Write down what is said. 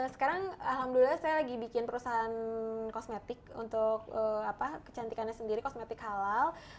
sekarang alhamdulillah saya lagi bikin perusahaan kosmetik untuk kecantikannya sendiri kosmetik halal